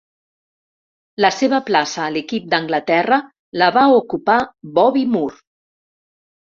La seva plaça a l'equip d'Anglaterra la va ocupar Bobby Moore.